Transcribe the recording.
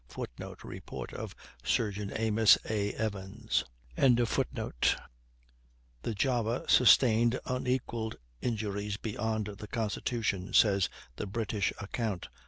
[Footnote: Report of Surgeon Amos A. Evans.] "The Java sustained unequalled injuries beyond the Constitution," says the British account.